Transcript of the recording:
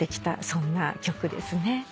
そんな曲ですね。